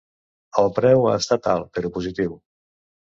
El preu ha estat alt, però positiu.